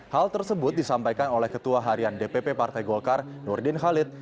hal tersebut disampaikan oleh ketua harian dpp partai golkar nurdin halid